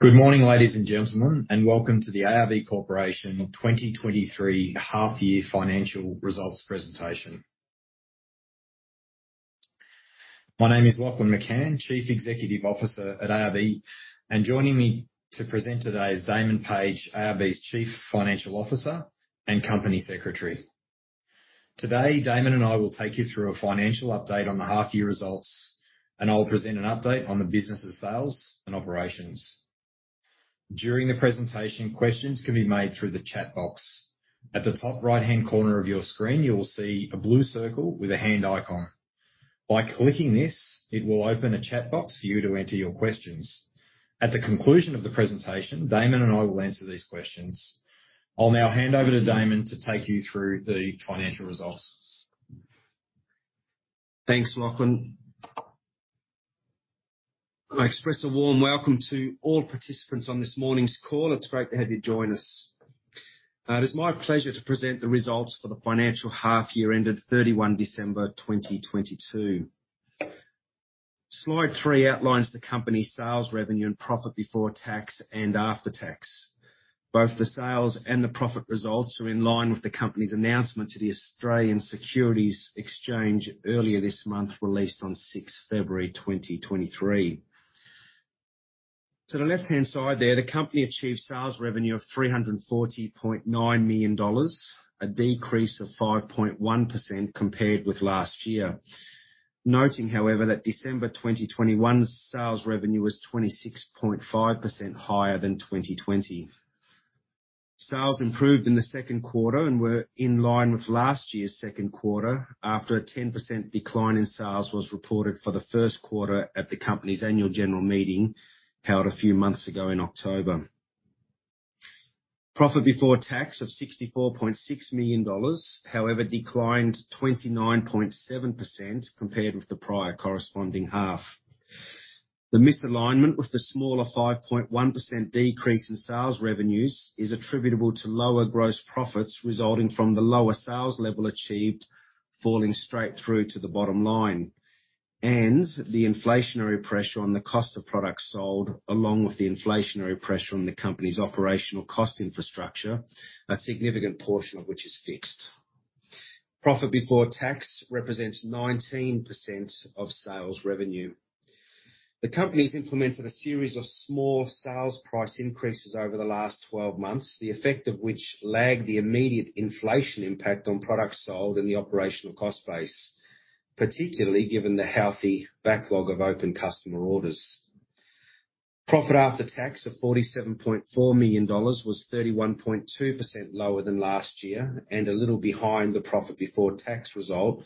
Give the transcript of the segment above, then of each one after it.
Good morning, ladies and gentlemen, welcome to the ARB Corporation 2023 half year financial results presentation. My name is Lachlan McCann, Chief Executive Officer at ARB, joining me to present today is Damon Page, ARB's Chief Financial Officer and Company Secretary. Today, Damon and I will take you through a financial update on the half year results, I'll present an update on the business' sales and operations. During the presentation, questions can be made through the chat box. At the top right-hand corner of your screen, you will see a blue circle with a hand icon. By clicking this, it will open a chat box for you to enter your questions. At the conclusion of the presentation, Damon and I will answer these questions. I'll now hand over to Damon to take you through the financial results. Thanks, Lachlan. I express a warm welcome to all participants on this morning's call. It's great to have you join us. It is my pleasure to present the results for the financial half year ended 31 December 2022. Slide three outlines the company's sales revenue and profit before tax and after tax. Both the sales and the profit results are in line with the company's announcement to the Australian Securities Exchange earlier this month, released on 6 February 2023. To the left-hand side there, the company achieved sales revenue of 340.9 million dollars, a decrease of 5.1% compared with last year. Noting, however, that December 2021's sales revenue was 26.5% higher than 2020. Sales improved in the second quarter and were in line with last year's second quarter after a 10% decline in sales was reported for the first quarter at the company's annual general meeting, held a few months ago in October. Profit before tax of 64.6 million dollars, however declined 29.7% compared with the prior corresponding half. The misalignment with the smaller 5.1% decrease in sales revenues is attributable to lower gross profits resulting from the lower sales level achieved falling straight through to the bottom line. The inflationary pressure on the cost of products sold, along with the inflationary pressure on the company's operational cost infrastructure, a significant portion of which is fixed. Profit before tax represents 19% of sales revenue. The company's implemented a series of small sales price increases over the last 12 months, the effect of which lagged the immediate inflation impact on products sold in the operational cost base, particularly given the healthy backlog of open customer orders. Profit after tax of 47.4 million dollars was 31.2% lower than last year and a little behind the profit before tax result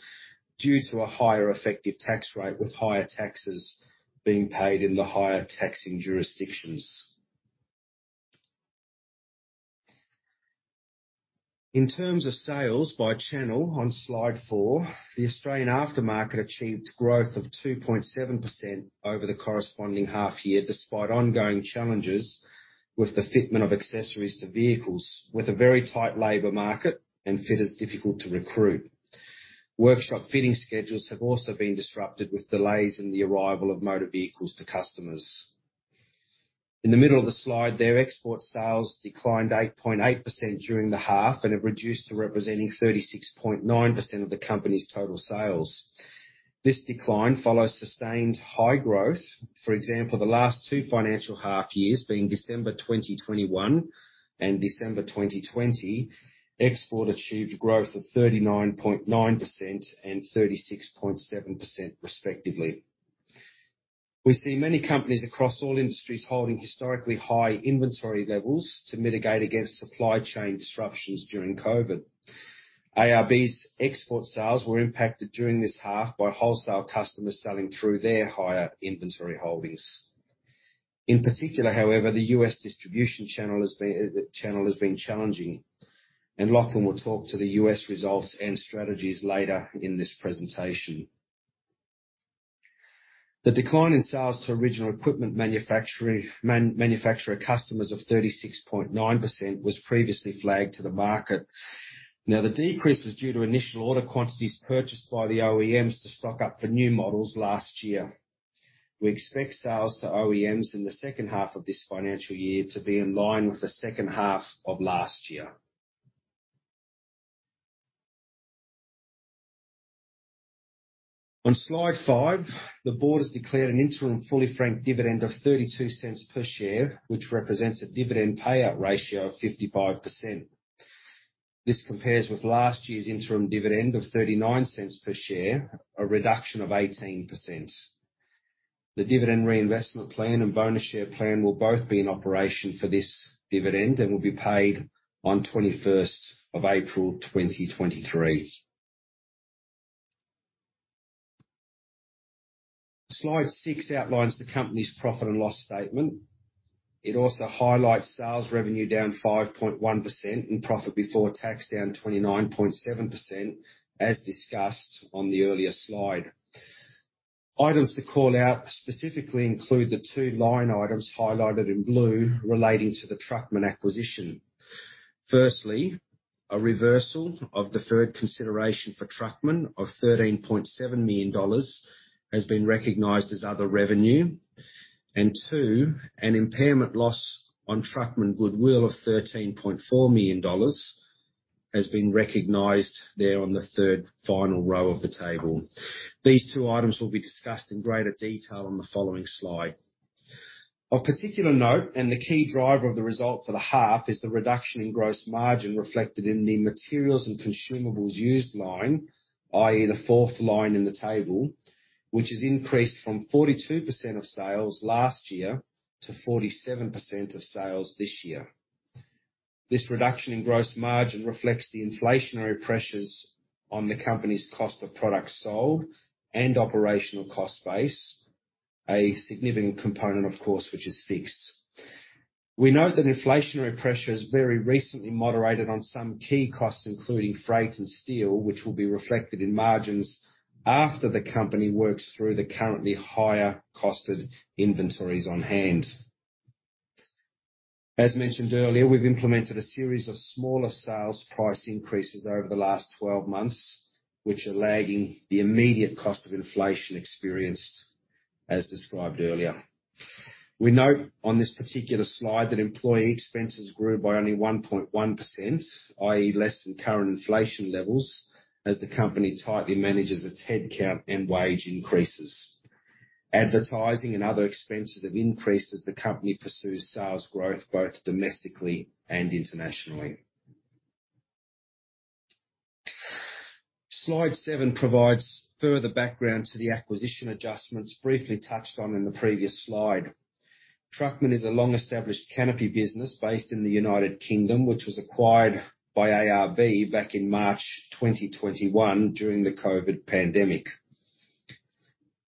due to a higher effective tax rate with higher taxes being paid in the higher taxing jurisdictions. In terms of sales by channel on Slide four, the Australian aftermarket achieved growth of 2.7% over the corresponding half year, despite ongoing challenges with the fitment of accessories to vehicles with a very tight labor market and fitters difficult to recruit. Workshop fitting schedules have also been disrupted with delays in the arrival of motor vehicles to customers. In the middle of the slide there, export sales declined 8.8% during the half and have reduced to representing 36.9% of the company's total sales. This decline follows sustained high growth. For example, the last two financial half years being December 2021 and December 2020, export achieved growth of 39.9% and 36.7% respectively. We see many companies across all industries holding historically high inventory levels to mitigate against supply chain disruptions during COVID. ARB's export sales were impacted during this half by wholesale customers selling through their higher inventory holdings. In particular, however, the U.S. distribution channel has been challenging, and Lachlan will talk to the U.S. results and strategies later in this presentation. The decline in sales to original equipment manufacturer customers of 36.9% was previously flagged to the market. The decrease is due to initial order quantities purchased by the OEMs to stock up for new models last year. We expect sales to OEMs in the second half of this financial year to be in line with the second half of last year. On Slide five, the board has declared an interim fully franked dividend of 0.32 per share, which represents a dividend payout ratio of 55%. This compares with last year's interim dividend of 0.39 per share, a reduction of 18%. The dividend reinvestment plan and bonus share plan will both be in operation for this dividend and will be paid on 21st of April, 2023. Slide six outlines the company's profit and loss statement. It also highlights sales revenue down 5.1% and profit before tax down 29.7%, as discussed on the earlier slide. Items to call out specifically include the two line items highlighted in blue relating to the Truckman acquisition. Firstly, a reversal of deferred consideration for Truckman of 13.7 million dollars has been recognized as other revenue. Two, an impairment loss on Truckman goodwill of 13.4 million dollars has been recognized there on the third final row of the table. These two items will be discussed in greater detail on the following slide. Of particular note, and the key driver of the result for the half is the reduction in gross margin reflected in the materials and consumables used line, i.e., the 4th line in the table, which has increased from 42% of sales last year to 47% of sales this year. This reduction in gross margin reflects the inflationary pressures on the company's cost of products sold and operational cost base, a significant component of course, which is fixed. We note that inflationary pressure has very recently moderated on some key costs, including freight and steel, which will be reflected in margins after the company works through the currently higher costed inventories on hand. As mentioned earlier, we've implemented a series of smaller sales price increases over the last 12 months, which are lagging the immediate cost of inflation experienced as described earlier. We note on this particular slide that employee expenses grew by only 1.1%, i.e., less than current inflation levels, as the company tightly manages its headcount and wage increases. Advertising and other expenses have increased as the company pursues sales growth both domestically and internationally. Slide seven provides further background to the acquisition adjustments briefly touched on in the previous slide. Truckman is a long-established canopy business based in the United Kingdom, which was acquired by ARB back in March 2021 during the COVID pandemic.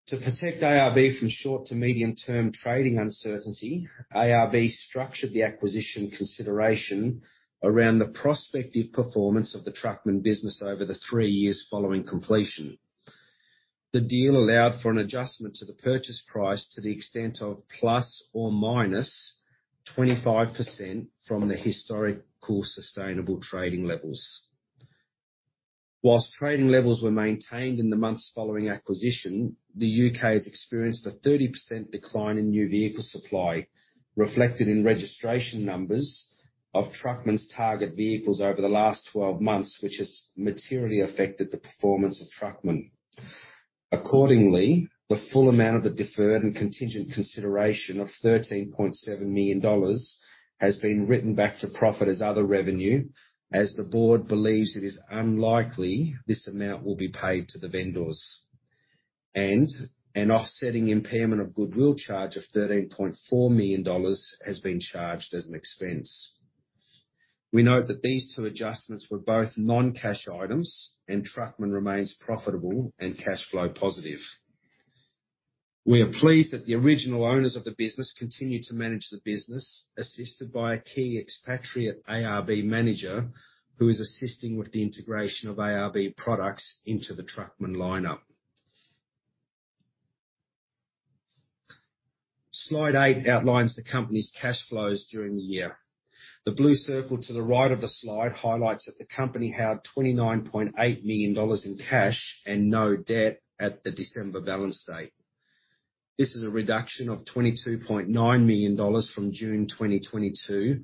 To protect ARB from short to medium-term trading uncertainty, ARB structured the acquisition consideration around the prospective performance of the Truckman business over the three years following completion. The deal allowed for an adjustment to the purchase price to the extent of ±25% from the historical sustainable trading levels. Whilst trading levels were maintained in the months following acquisition, the U.K. has experienced a 30% decline in new vehicle supply, reflected in registration numbers of Truckman's target vehicles over the last 12 months, which has materially affected the performance of Truckman. Accordingly, the full amount of the deferred and contingent consideration of 13.7 million dollars has been written back to profit as other revenue, as the board believes it is unlikely this amount will be paid to the vendors. An offsetting impairment of goodwill charge of AUD 13.4 million has been charged as an expense. We note that these two adjustments were both non-cash items and Truckman remains profitable and cash flow positive. We are pleased that the original owners of the business continue to manage the business, assisted by a key expatriate ARB manager who is assisting with the integration of ARB products into the Truckman lineup. Slide eight outlines the company's cash flows during the year. The blue circle to the right of the slide highlights that the company had 29.8 million dollars in cash and no debt at the December balance date. This is a reduction of 22.9 million dollars from June 2022,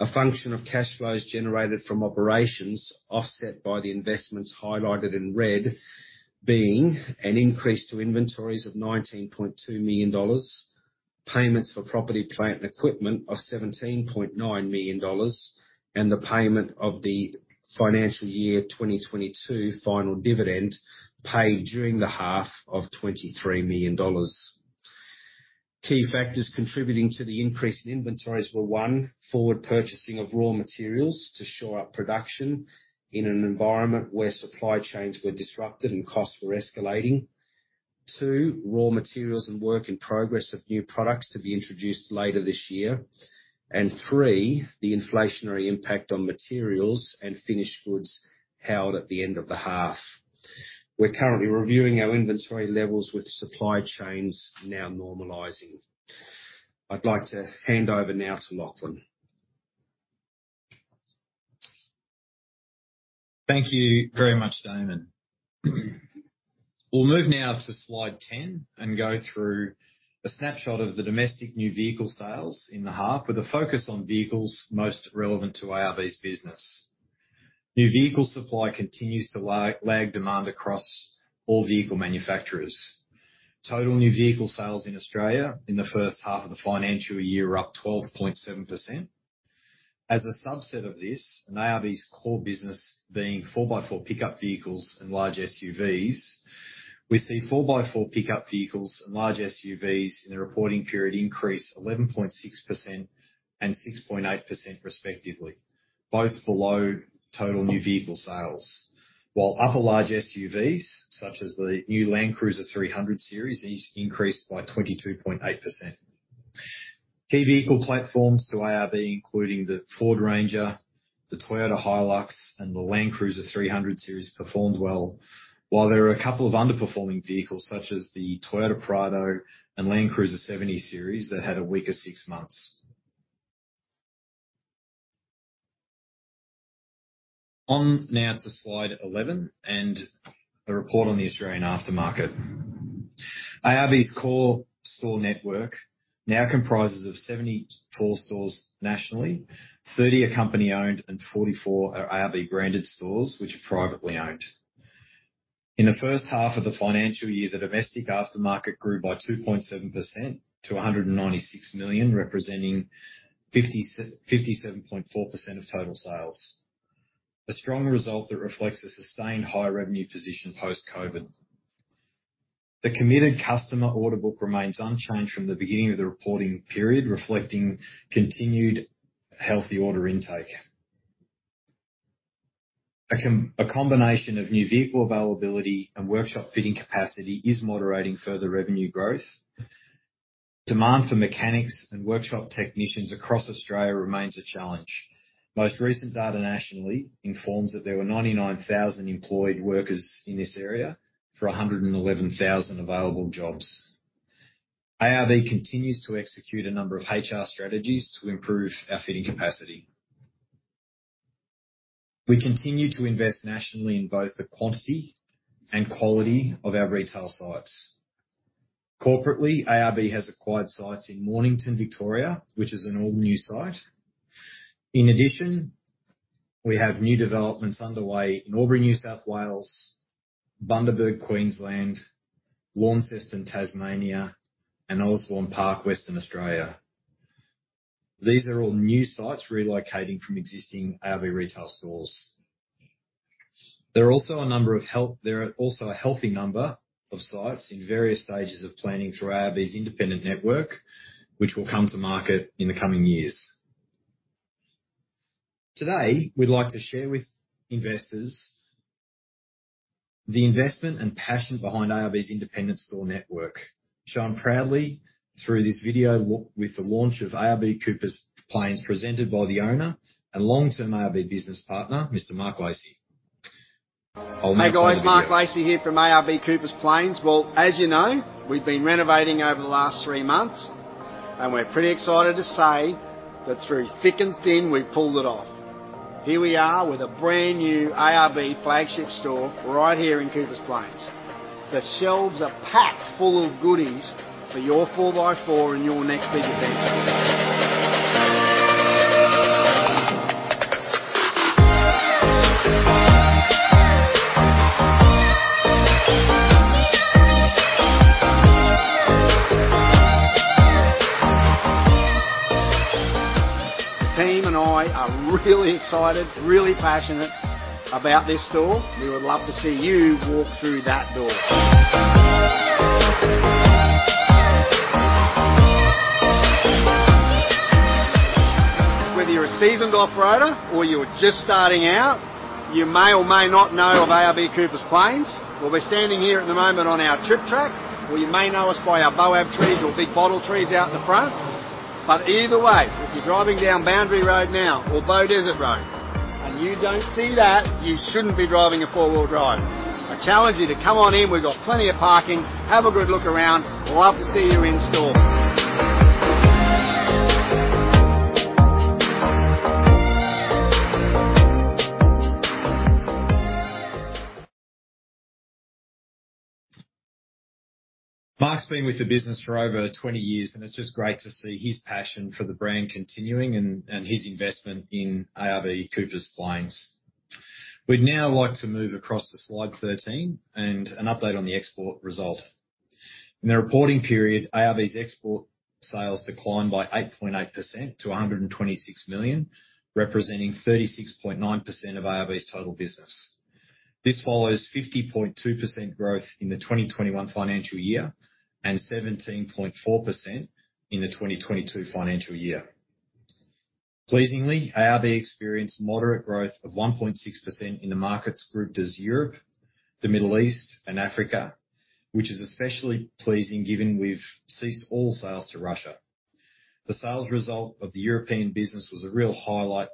a function of cash flows generated from operations offset by the investments highlighted in red being an increase to inventories of 19.2 million dollars. Payments for property, plant, and equipment of 17.9 million dollars, and the payment of the financial year 2022 final dividend paid during the half of 23 million dollars. Key factors contributing to the increase in inventories were, one, forward purchasing of raw materials to shore up production in an environment where supply chains were disrupted and costs were escalating. Two, raw materials and work in progress of new products to be introduced later this year. Three, the inflationary impact on materials and finished goods held at the end of the half. We're currently reviewing our inventory levels with supply chains now normalizing. I'd like to hand over now to Lachlan. Thank you very much, Damon. We'll move now to Slide 10 and go through a snapshot of the domestic new vehicle sales in the half with a focus on vehicles most relevant to ARB's business. New vehicle supply continues to lag demand across all vehicle manufacturers. Total new vehicle sales in Australia in the first half of the financial year were up 12.7%. As a subset of this, and ARB's core business being 4x4 pickup vehicles and large SUVs, we see 4x4 pickup vehicles and large SUVs in the reporting period increase 11.6% and 6.8% respectively, both below total new vehicle sales. While upper large SUVs, such as the new Land Cruiser 300 Series, increased by 22.8%. Key vehicle platforms to ARB, including the Ford Ranger, the Toyota Hilux, and the Land Cruiser 300 Series performed well. There are a couple of underperforming vehicles such as the Toyota Prado and Land Cruiser 70 Series that had a weaker six months. Now to Slide 11 and the report on the Australian aftermarket. ARB's core store network now comprises of 74 stores nationally, 30 are company-owned and 44 are ARB branded stores which are privately owned. In the first half of the financial year, the domestic aftermarket grew by 2.7% to 196 million, representing 57.4% of total sales. A strong result that reflects a sustained high revenue position post-COVID. The committed customer order book remains unchanged from the beginning of the reporting period, reflecting continued healthy order intake. A combination of new vehicle availability and workshop fitting capacity is moderating further revenue growth. Demand for mechanics and workshop technicians across Australia remains a challenge. Most recent data nationally informs that there were 99,000 employed workers in this area for 111,000 available jobs. ARB continues to execute a number of HR strategies to improve our fitting capacity. We continue to invest nationally in both the quantity and quality of our retail sites. Corporately, ARB has acquired sites in Mornington, Victoria, which is an all-new site. In addition, we have new developments underway in Albury, New South Wales, Bundaberg, Queensland, Launceston, Tasmania, and Osborne Park, Western Australia. These are all new sites relocating from existing ARB retail stores. There are also a number of health there are also a healthy number of sites in various stages of planning through ARB's independent network, which will come to market in the coming years. Today, we'd like to share with investors the investment and passion behind ARB's independent store network, shown proudly through this video with the launch of ARB Coopers Plains, presented by the owner and long-term ARB business partner, Mr. Mark Lacey. I'll play the video. Hey, guys. Mark Lacey here from ARB Coopers Plains. Well, as you know, we've been renovating over the last three months, and we're pretty excited to say that through thick and thin, we pulled it off. Here we are with a brand new ARB flagship store right here in Coopers Plains. The shelves are packed full of goodies for your four by four and your next big adventure. The team and I are really excited, really passionate about this store. We would love to see you walk through that door. Whether you're a seasoned off-roader or you're just starting out, you may or may not know of ARB Coopers Plains. Well, we're standing here at the moment on our trip track, or you may know us by our boab trees or big bottle trees out in the front. Either way, if you're driving down Boundary Road now or Beaudesert Road, and you don't see that, you shouldn't be driving a four-wheel drive. I challenge you to come on in, we've got plenty of parking. Have a good look around. We'll love to see you in store. Mark's been with the business for over 20 years, and it's just great to see his passion for the brand continuing and his investment in ARB Coopers Plains. We'd now like to move across to Slide 13 and an update on the export result. In the reporting period, ARB's export sales declined by 8.8% to 126 million, representing 36.9% of ARB's total business. This follows 50.2% growth in the 2021 financial year and 17.4% in the 2022 financial year. Pleasingly, ARB experienced moderate growth of 1.6% in the markets grouped as Europe, the Middle East, and Africa, which is especially pleasing given we've ceased all sales to Russia. The sales result of the European business was a real highlight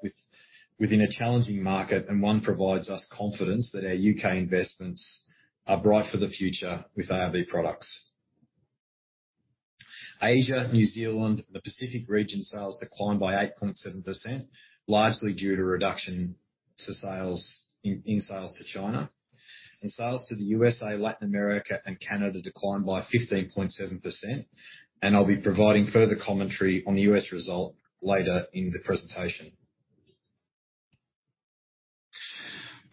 within a challenging market. One provides us confidence that our U.K. investments are bright for the future with ARB products. Asia, New Zealand, the Pacific region sales declined by 8.7%, largely due to reduction in sales to China. Sales to the U.S.A., Latin America, and Canada declined by 15.7%. I'll be providing further commentary on the U.S. result later in the presentation.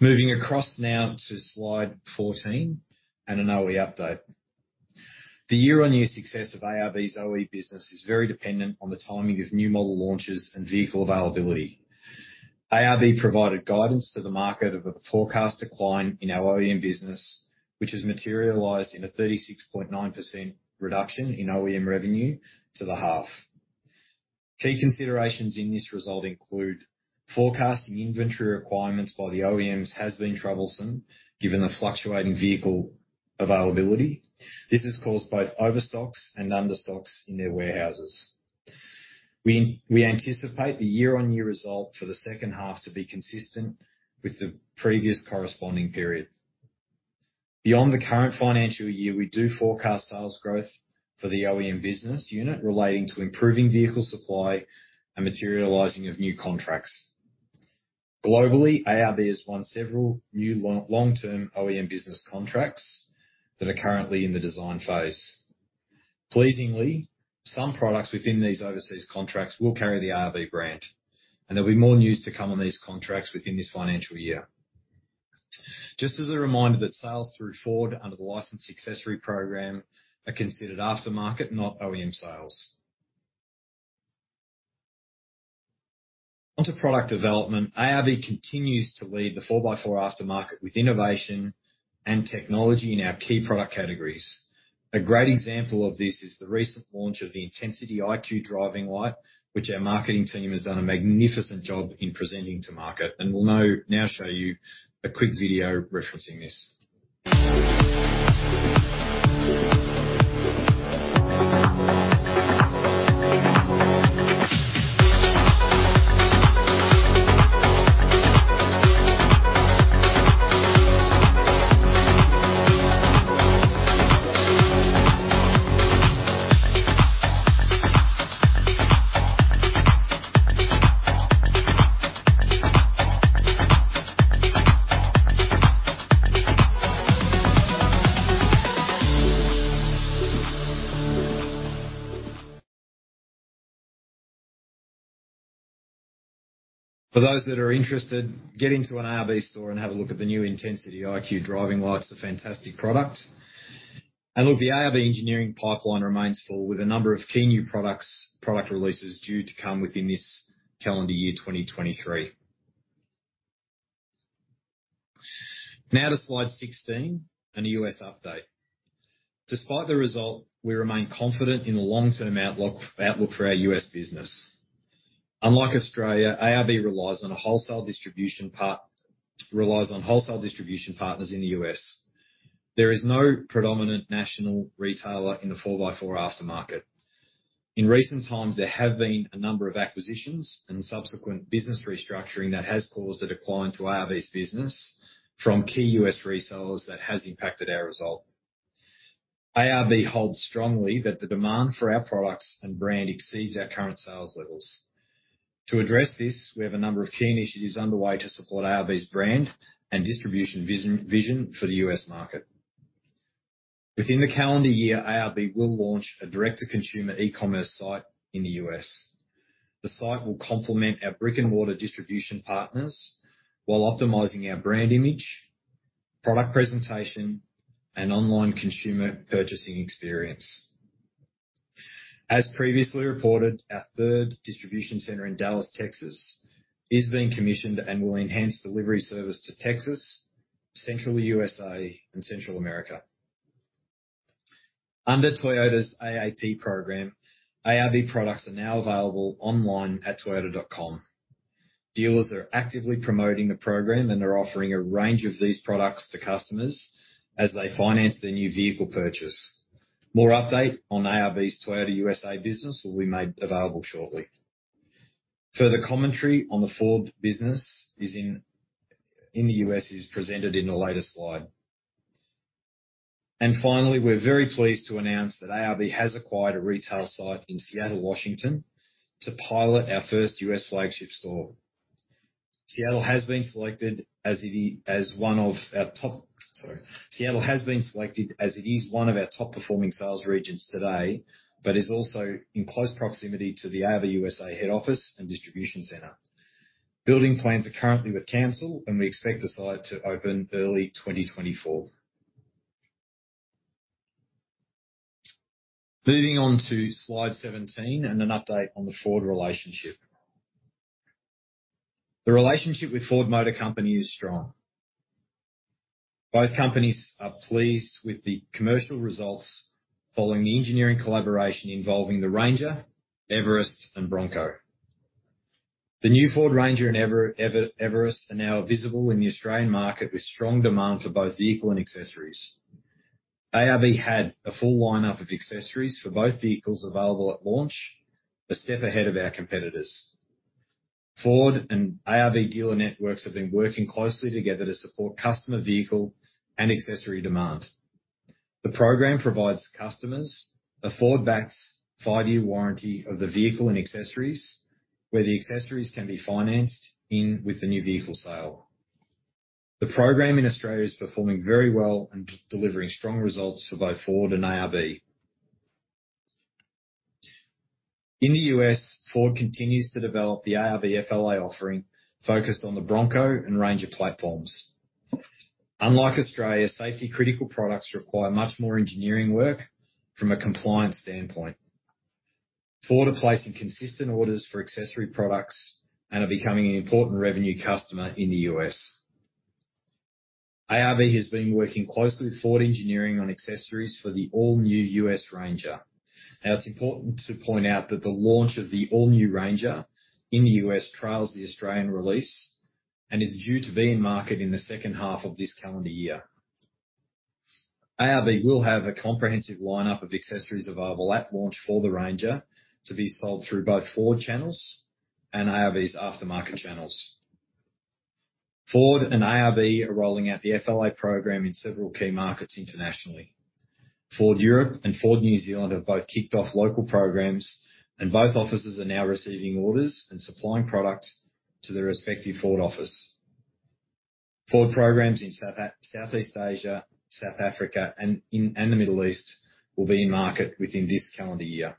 Moving across now to Slide 14 and an OE update. The year-on-year success of ARB's OE business is very dependent on the timing of new model launches and vehicle availability. ARB provided guidance to the market of a forecast decline in our OEM business, which has materialized in a 36.9% reduction in OEM revenue to the half. Key considerations in this result include forecasting inventory requirements via the OEMs has been troublesome given the fluctuating vehicle availability. This has caused both overstocks and understocks in their warehouses. We anticipate the year-on-year result for the second half to be consistent with the previous corresponding period. Beyond the current financial year, we do forecast sales growth for the OEM business unit relating to improving vehicle supply and materializing of new contracts. Globally, ARB has won several new long-term OEM business contracts that are currently in the design phase. Pleasingly, some products within these overseas contracts will carry the ARB brand. There'll be more news to come on these contracts within this financial year. Just as a reminder that sales through Ford under the Licensed Accessory Program are considered aftermarket, not OEM sales. On to product development. ARB continues to lead the 4x4 aftermarket with innovation and technology in our key product categories. A great example of this is the recent launch of the Intensity IQ driving light, which our marketing team has done a magnificent job in presenting to market. We'll now show you a quick video referencing this. For those that are interested, get into an ARB store and have a look at the new Intensity IQ driving lights. A fantastic product. Look, the ARB engineering pipeline remains full with a number of key new product releases due to come within this calendar year, 2023. Now to Slide 16 and the U.S. update. Despite the result, we remain confident in the long-term outlook for our U.S. business. Unlike Australia, ARB relies on wholesale distribution partners in the U.S. There is no predominant national retailer in the four by four aftermarket. In recent times, there have been a number of acquisitions and subsequent business restructuring that has caused a decline to ARB's business from key U.S. resellers that has impacted our result. ARB holds strongly that the demand for our products and brand exceeds our current sales levels. To address this, we have a number of key initiatives underway to support ARB's brand and distribution vision for the U.S. market. Within the calendar year, ARB will launch a direct-to-consumer e-commerce site in the U.S. The site will complement our brick-and-mortar distribution partners while optimizing our brand image, product presentation, and online consumer purchasing experience. As previously reported, our third distribution center in Dallas, Texas, is being commissioned and will enhance delivery service to Texas, Central U.S.A. and Central America. Under Toyota's AAP program, ARB products are now available online at toyota.com. Dealers are actively promoting the program and are offering a range of these products to customers as they finance their new vehicle purchase. More update on ARB's Toyota U.S.A. business will be made available shortly. Further commentary on the Ford business in the U.S. is presented in the latest slide. Finally, we're very pleased to announce that ARB has acquired a retail site in Seattle, Washington, to pilot our first U.S. flagship store. Seattle has been selected as one of our top... Sorry. Seattle has been selected as it is one of our top-performing sales regions today, but is also in close proximity to the ARB U.S.A. head office and distribution center. Building plans are currently with council and we expect the site to open early 2024. Moving on to Slide 17 and an update on the Ford relationship. The relationship with Ford Motor Company is strong. Both companies are pleased with the commercial results following the engineering collaboration involving the Ranger, Everest and Bronco. The new Ford Ranger and Everest are now visible in the Australian market, with strong demand for both vehicle and accessories. ARB had a full lineup of accessories for both vehicles available at launch, a step ahead of our competitors. Ford and ARB dealer networks have been working closely together to support customer vehicle and accessory demand. The program provides customers a Ford-backed five-year warranty of the vehicle and accessories, where the accessories can be financed in with the new vehicle sale. The program in Australia is performing very well and delivering strong results for both Ford and ARB. In the U.S., Ford continues to develop the ARB FLA offering focused on the Bronco and Ranger platforms. Unlike Australia, safety critical products require much more engineering work from a compliance standpoint. Ford are placing consistent orders for accessory products and are becoming an important revenue customer in the U.S. ARB has been working closely with Ford engineering on accessories for the all new U.S. Ranger. Now, it's important to point out that the launch of the all new Ranger in the U.S. trails the Australian release and is due to be in market in the second half of this calendar year. ARB will have a comprehensive lineup of accessories available at launch for the Ranger to be sold through both Ford channels, and ARB's aftermarket channels. Ford and ARB are rolling out the FLA program in several key markets internationally. Ford Europe and Ford New Zealand have both kicked off local programs. Both offices are now receiving orders and supplying products to their respective Ford office. Ford programs in Southeast Asia, South Africa, and the Middle East will be in market within this calendar year.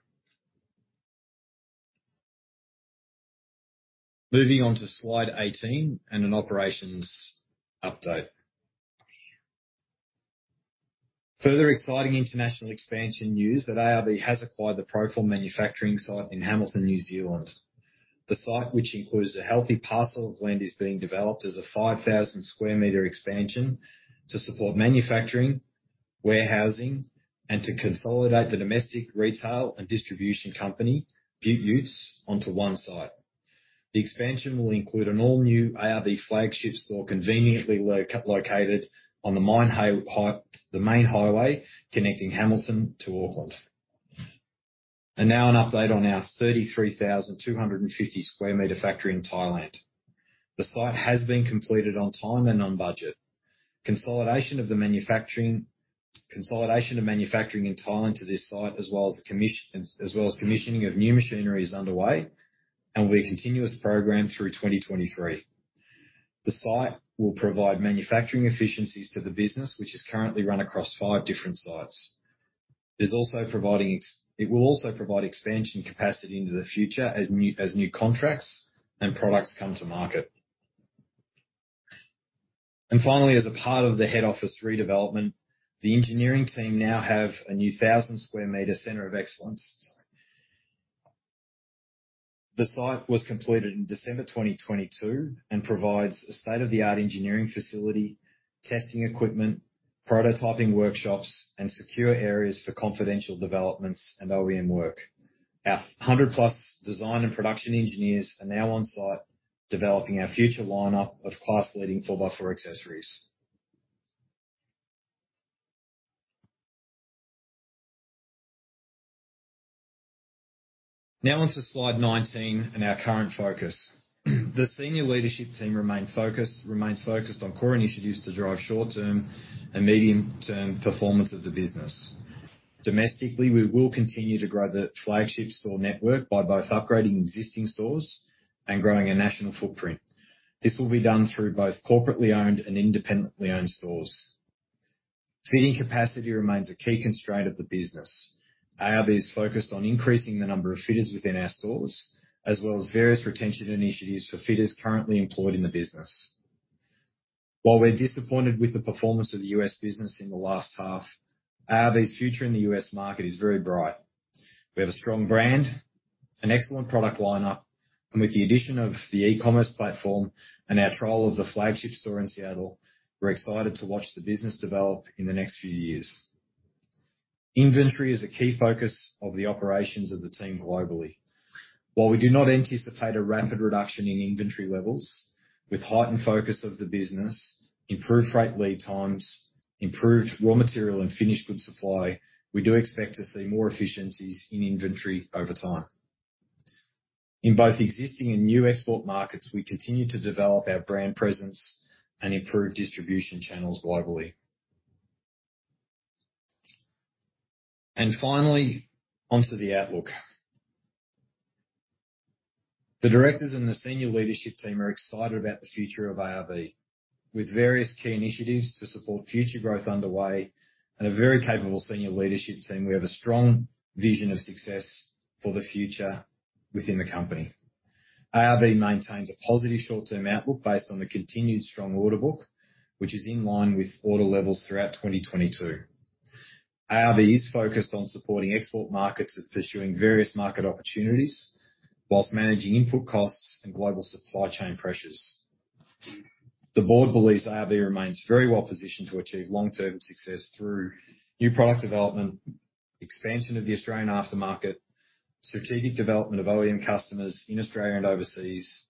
Moving on to Slide 18 and an operations update. Further exciting international expansion news that ARB has acquired the Proform manufacturing site in Hamilton, New Zealand. The site, which includes a healthy parcel of land, is being developed as a 5,000 sq m expansion to support manufacturing, warehousing, and to consolidate the domestic retail and distribution company, Beaut Utes, onto one site. The expansion will include an all-new ARB flagship store, conveniently located on the main highway connecting Hamilton to Auckland. Now an update on our 33,250 sq m factory in Thailand. The site has been completed on time and on budget. Consolidation of manufacturing in Thailand to this site, as well as commissioning of new machinery is underway and will be a continuous program through 2023. The site will provide manufacturing efficiencies to the business, which is currently run across five different sites. It will also provide expansion capacity into the future as new contracts and products come to market. Finally, as a part of the head office redevelopment, the engineering team now have a new 1,000 sq m center of excellence. The site was completed in December 2022 and provides a state-of-the-art engineering facility, testing equipment, prototyping workshops, and secure areas for confidential developments and OEM work. Our 100+ design and production engineers are now on site developing our future lineup of class-leading four by four accessories. On to Slide 19 and our current focus. The senior leadership team remains focused on core initiatives to drive short term and medium term performance of the business. Domestically, we will continue to grow the flagship store network by both upgrading existing stores and growing a national footprint. This will be done through both corporately owned and independently owned stores. Fitting capacity remains a key constraint of the business. ARB is focused on increasing the number of fitters within our stores, as well as various retention initiatives for fitters currently employed in the business. While we're disappointed with the performance of the U.S. business in the last half, ARB's future in the U.S. market is very bright. We have a strong brand, an excellent product lineup, and with the addition of the e-commerce platform and our trial of the flagship store in Seattle, we're excited to watch the business develop in the next few years. Inventory is a key focus of the operations of the team globally. While we do not anticipate a rapid reduction in inventory levels, with heightened focus of the business, improved freight lead times, improved raw material and finished goods supply, we do expect to see more efficiencies in inventory over time. In both existing and new export markets, we continue to develop our brand presence and improve distribution channels globally. Finally, onto the outlook. The directors and the senior leadership team are excited about the future of ARB. With various key initiatives to support future growth underway and a very capable senior leadership team, we have a strong vision of success for the future within the company. ARB maintains a positive short-term outlook based on the continued strong order book, which is in line with order levels throughout 2022. ARB is focused on supporting export markets and pursuing various market opportunities whilst managing input costs and global supply chain pressures. The board believes ARB remains very well positioned to achieve long-term success through new product development, expansion of the Australian aftermarket, strategic development of OEM customers in Australia and overseas,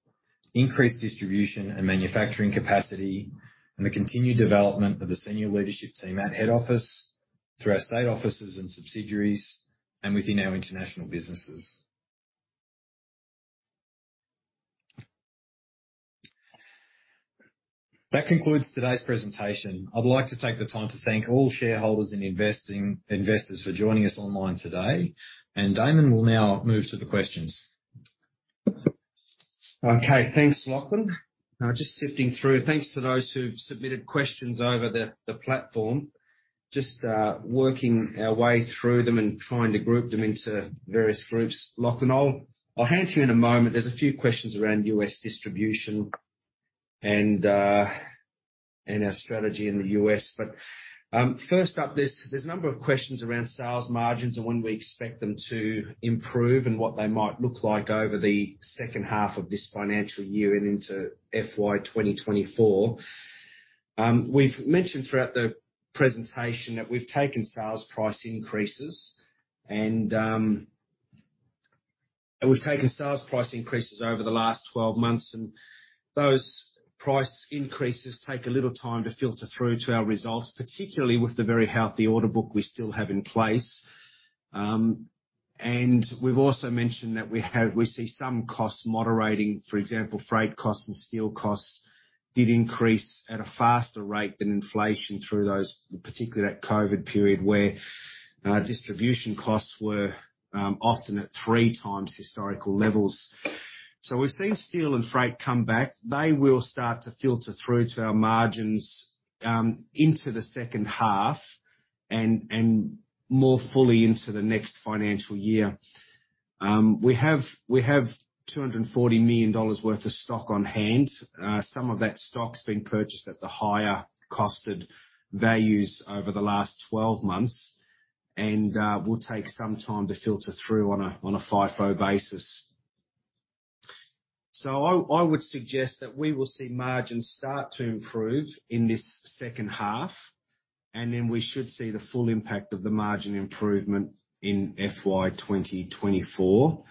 increased distribution and manufacturing capacity, and the continued development of the senior leadership team at head office through our state offices and subsidiaries and within our international businesses. That concludes today's presentation. I'd like to take the time to thank all shareholders and investors for joining us online today. Damon will now move to the questions. Okay. Thanks, Lachlan. Now just sifting through. Thanks to those who've submitted questions over the platform. Just working our way through them and trying to group them into various groups. Lachlan, I'll hand to you in a moment. There's a few questions around U.S. distribution and our strategy in the U.S. First up, there's a number of questions around sales margins and when we expect them to improve and what they might look like over the second half of this financial year and into FY 2024. We've mentioned throughout the presentation that we've taken sales price increases, and we've taken sales price increases over the last 12 months, and those price increases take a little time to filter through to our results, particularly with the very healthy order book we still have in place. We've also mentioned that we see some costs moderating. For example, freight costs and steel costs did increase at a faster rate than inflation through those, particularly that COVID period, where distribution costs were often at 3 times historical levels. We've seen steel and freight come back. They will start to filter through to our margins into the second half and more fully into the next financial year. We have 240 million dollars worth of stock on hand. some of that stock's been purchased at the higher costed values over the last 12 months. will take some time to filter through on a FIFO basis. I would suggest that we will see margins start to improve in this second half, and then we should see the full impact of the margin improvement in FY 2024.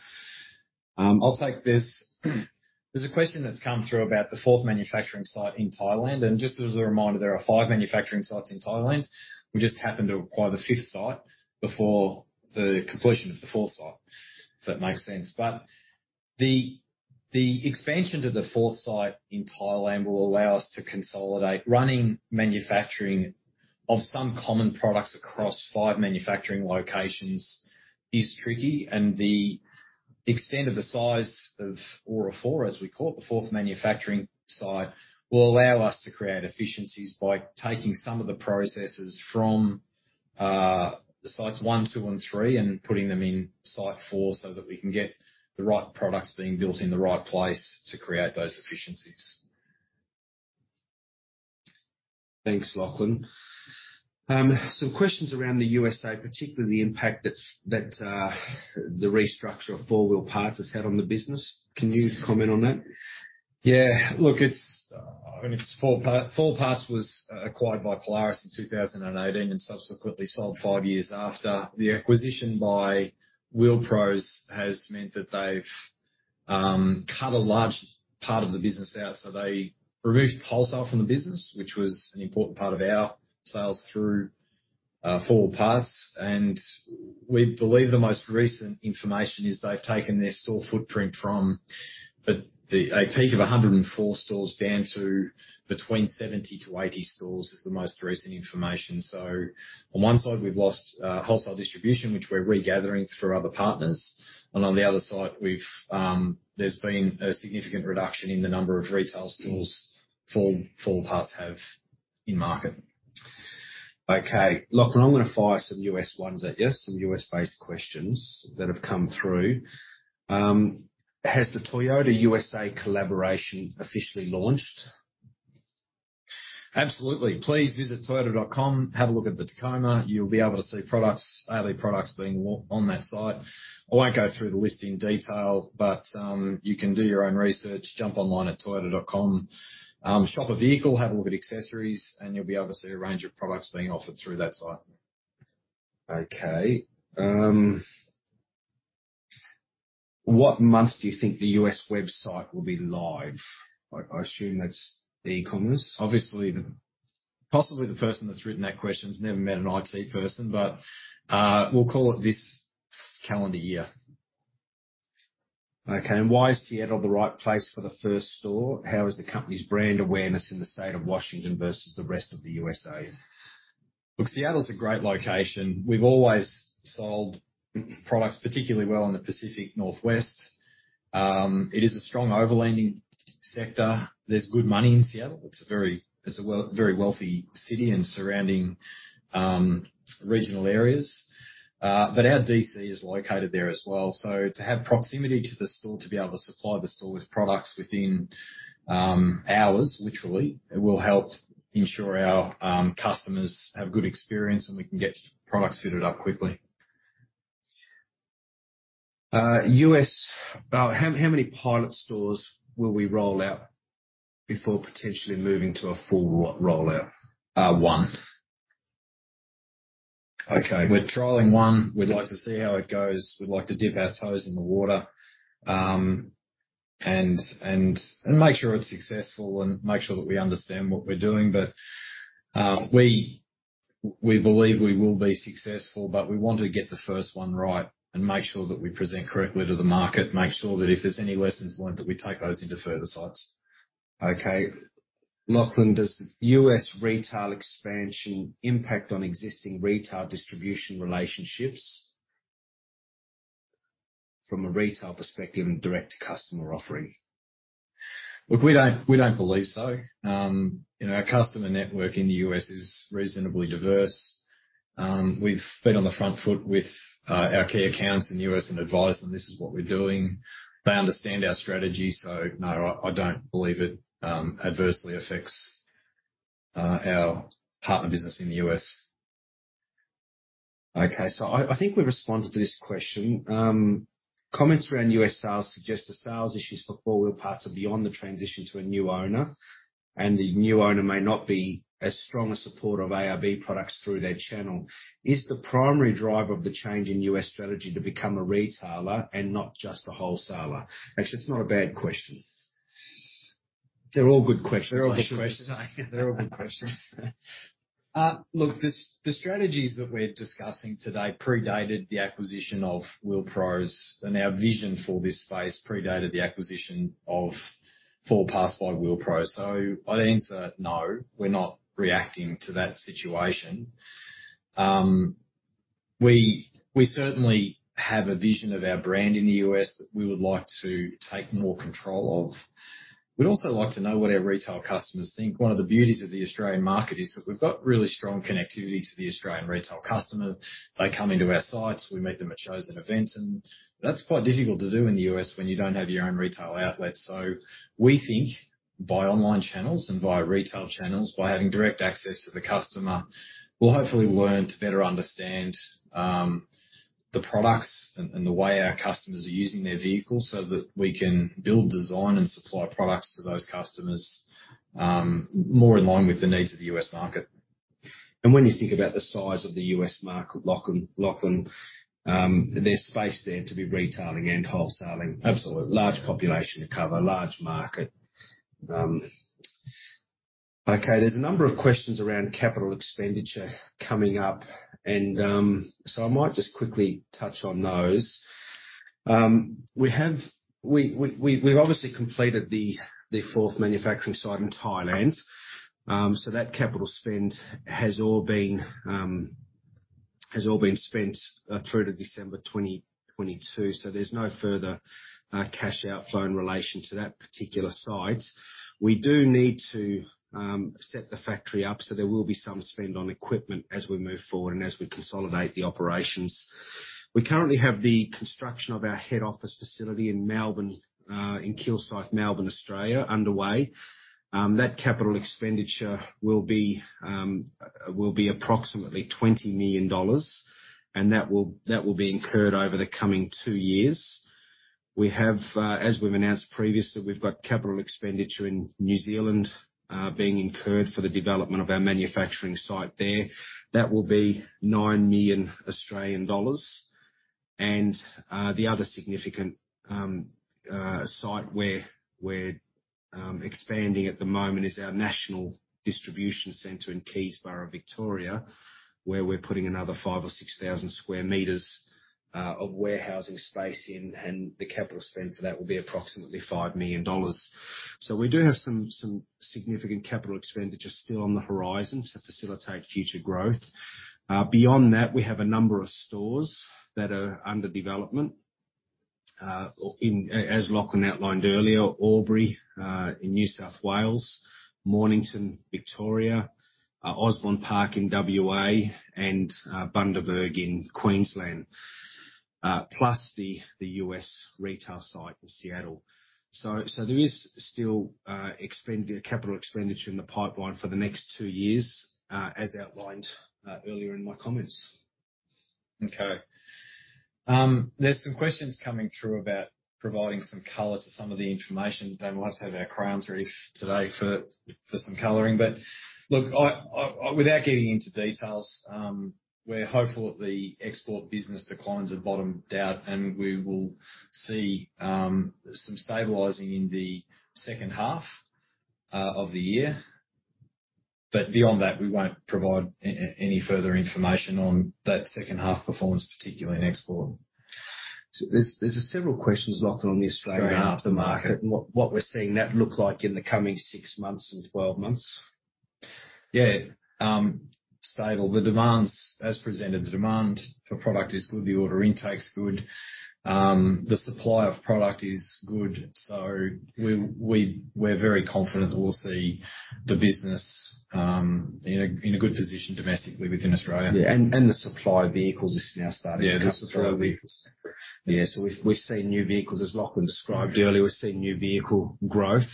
I'll take this. There's a question that's come through about the fourth manufacturing site in Thailand. Just as a reminder, there are five manufacturing sites in Thailand. We just happened to acquire the fifth site before the completion of the fourth site. If that makes sense. The expansion to the fourth site in Thailand will allow us to consolidate. Running manufacturing of some common products across five manufacturing locations is tricky, and the extent of the size of ARB Four, as we call it, the fourth manufacturing site, will allow us to create efficiencies by taking some of the processes from the sites one, two, and three and putting them in site four so that we can get the right products being built in the right place to create those efficiencies. Thanks, Lachlan. Some questions around the U.S.A., particularly the impact that the restructure of 4 Wheel Parts has had on the business. Can you comment on that? Yeah. Look, I mean, 4 Wheel Parts was acquired by Polaris in 2018 and subsequently sold five years after. The acquisition by Wheel Pros has meant that they've cut a large part of the business out. They removed wholesale from the business, which was an important part of our sales through 4 Wheel Parts. We believe the most recent information is they've taken their store footprint from a peak of 104 stores down to between 70-80 stores is the most recent information. On one side, we've lost wholesale distribution, which we're regathering through other partners. On the other side, we've there's been a significant reduction in the number of retail stores 4 Wheel Parts have in market. Okay. Lachlan, I'm gonna fire some U.S. ones at you, some U.S.-based questions that have come through. Has the Toyota U.S.A. collaboration officially launched? Absolutely. Please visit toyota.com. Have a look at the Tacoma. You'll be able to see products, ARB products being on that site. I won't go through the list in detail, but you can do your own research. Jump online at toyota.com. Shop a vehicle, have a look at accessories, and you'll be able to see a range of products being offered through that site. Okay. What month do you think the U.S. website will be live? I assume that's e-commerce. Obviously, possibly the person that's written that question has never met an IT person, but we'll call it this calendar year. Okay. Why is Seattle the right place for the first store? How is the company's brand awareness in the state of Washington versus the rest of the U.S.A.? Seattle's a great location. We've always sold products particularly well in the Pacific Northwest. It is a strong overlanding sector. There's good money in Seattle. It's a very wealthy city and surrounding regional areas. Our DC is located there as well. To have proximity to the store, to be able to supply the store with products within hours, literally, it will help ensure our customers have good experience, and we can get products fitted up quickly. U.S. how many pilot stores will we roll out before potentially moving to a full rollout? One. Okay. We're trialing one. We'd like to see how it goes. We'd like to dip our toes in the water, and make sure it's successful and make sure that we understand what we're doing. We believe we will be successful, but we want to get the first one right and make sure that we present correctly to the market, make sure that if there's any lessons learned, that we take those into further sites. Okay. Lachlan, does U.S. retail expansion impact on existing retail distribution relationships from a retail perspective and direct-to-customer offering? Look, we don't believe so. you know, our customer network in the U.S. is reasonably diverse. We've been on the front foot with our key accounts in the U.S. and advised them this is what we're doing. They understand our strategy. No, I don't believe it adversely affects our partner business in the U.S. Okay. I think we've responded to this question. Comments around U.S. sales suggest the sales issues for 4 Wheel Parts are beyond the transition to a new owner, and the new owner may not be as strong a supporter of ARB products through their channel. Is the primary driver of the change in U.S. strategy to become a retailer and not just a wholesaler? Actually, it's not a bad question. They're all good questions. They're all good questions. Look, the strategies that we're discussing today predated the acquisition of Wheel Pros, and our vision for this space predated the acquisition of Ford Pass by Wheel Pros. I'd answer, no, we're not reacting to that situation. We certainly have a vision of our brand in the U.S. that we would like to take more control of. We'd also like to know what our retail customers think. One of the beauties of the Australian market is that we've got really strong connectivity to the Australian retail customer. They come into our sites, we meet them at shows and events, and that's quite difficult to do in the U.S. when you don't have your own retail outlets. We think by online channels and via retail channels, by having direct access to the customer, we'll hopefully learn to better understand the products and the way our customers are using their vehicles so that we can build, design, and supply products to those customers, more in line with the needs of the U.S. market. When you think about the size of the U.S. market, Lachlan, there's space there to be retailing and wholesaling. Absolutely. Large population to cover, large market. Okay. There's a number of questions around capital expenditure coming up. I might just quickly touch on those. We've obviously completed the fourth manufacturing site in Thailand. That capital spend has all been spent through to December 2022, so there's no further cash outflow in relation to that particular site. We do need to set the factory up, so there will be some spend on equipment as we move forward and as we consolidate the operations. We currently have the construction of our head office facility in Melbourne, in Kilsyth, Melbourne, Australia, underway. That capital expenditure will be approximately 20 million dollars, and that will be incurred over the coming two years. We have, as we've announced previously, we've got capital expenditure in New Zealand, being incurred for the development of our manufacturing site there. That will be 9 million Australian dollars. The other significant site where we're expanding at the moment is our national distribution center in Keysborough, Victoria, where we're putting another 5,000 or 6,000 sq m of warehousing space in, and the capital spend for that will be approximately 5 million dollars. We do have some significant capital expenditures still on the horizon to facilitate future growth. Beyond that, we have a number of stores that are under development, as Lachlan outlined earlier, Albury, in New South Wales, Mornington, Victoria, Osborne Park in WA, and Bundaberg in Queensland, plus the U.S. retail site in Seattle. There is still capital expenditure in the pipeline for the next two years, as outlined earlier in my comments. Okay. There's some questions coming through about providing some color to some of the information. Don't know why I have our crayons ready today for some coloring. Look, I without getting into details, we're hopeful that the export business declines have bottomed out, and we will see some stabilizing in the second half of the year. Beyond that, we won't provide any further information on that second half performance, particularly in export. There's several questions, Lachlan, on the Australian- Go on. -aftermarket and what we're seeing that look like in the coming six months and 12 months. Yeah. Stable. As presented, the demand for product is good. The order intake's good. The supply of product is good. We're very confident that we'll see the business in a good position domestically within Australia. Yeah. The supply of vehicles is now starting to come through. Yeah, the supply of vehicles. Yeah. We're seeing new vehicles, as Lachlan described earlier. We're seeing new vehicle growth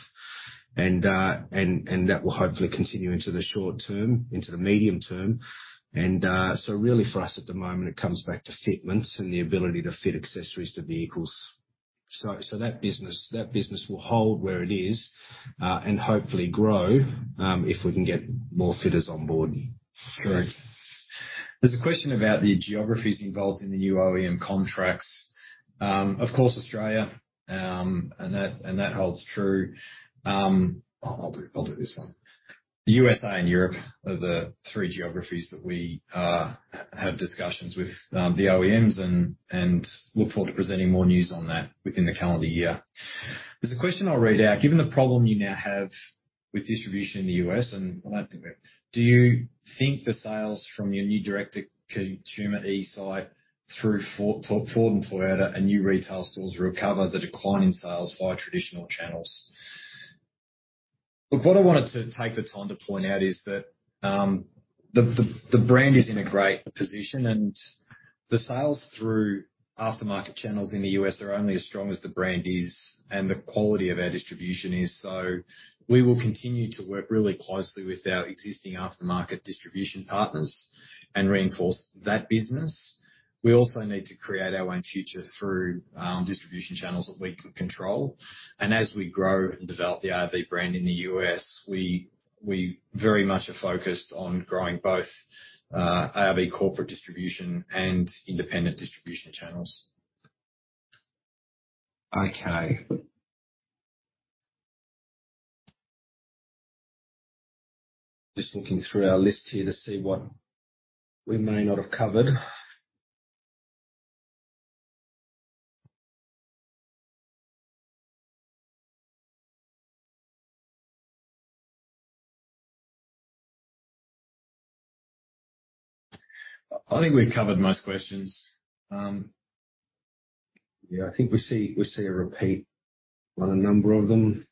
and that will hopefully continue into the short term, into the medium term. Really for us at the moment, it comes back to fitments and the ability to fit accessories to vehicles. That business will hold where it is and hopefully grow if we can get more fitters on board. Correct. There's a question about the geographies involved in the new OEM contracts. Of course, Australia, and that holds true. I'll do this one. The U.S.A. and Europe are the three geographies that we have discussions with the OEMs and look forward to presenting more news on that within the calendar year. There's a question I'll read out. Given the problem you now have with distribution in the U.S., do you think the sales from your new direct-to-consumer e-site through For-To-Ford and Toyota and new retail stores recover the decline in sales via traditional channels? Look, what I wanted to take the time to point out is that, the brand is in a great position. The sales through aftermarket channels in the U.S. are only as strong as the brand is and the quality of our distribution is. We will continue to work really closely with our existing aftermarket distribution partners and reinforce that business. We also need to create our own future through, distribution channels that we can control. As we grow and develop the ARB brand in the U.S., we very much are focused on growing both, ARB corporate distribution and independent distribution channels. Okay. Just looking through our list here to see what we may not have covered. I think we've covered most questions. Yeah, I think we see a repeat on a number of them.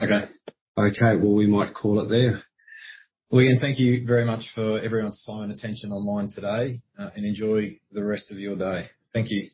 Okay. Okay. Well, we might call it there. Well, again, thank you very much for everyone's time and attention online today, enjoy the rest of your day. Thank you.